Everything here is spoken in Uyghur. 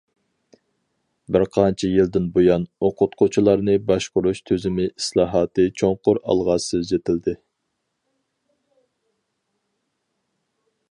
بىرقانچە يىلدىن بۇيان، ئوقۇتقۇچىلارنى باشقۇرۇش تۈزۈمى ئىسلاھاتى چوڭقۇر ئالغا سىلجىتىلدى.